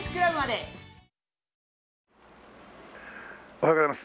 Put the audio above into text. おはようございます。